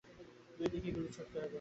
দুই দিকেই গুলি ছুঁড়তে হবে!